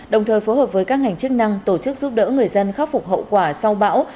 đồng thời phối hợp với các ngành chức năng tổ chức giúp đỡ người dân khắc phục hậu quả sau bão